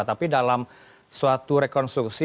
tapi dalam suatu rekonstruksi